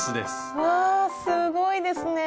うわすごいですね！